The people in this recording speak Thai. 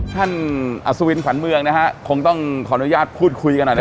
อัศวินขวัญเมืองนะฮะคงต้องขออนุญาตพูดคุยกันหน่อยนะครับ